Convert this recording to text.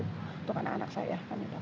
untuk anak anak saya